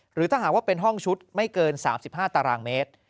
หรือถ้าหากว่าเป็นห้องชุดไม่เกิน๓๕ตารางเมตร